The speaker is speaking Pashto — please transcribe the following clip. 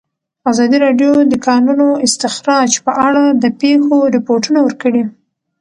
ازادي راډیو د د کانونو استخراج په اړه د پېښو رپوټونه ورکړي.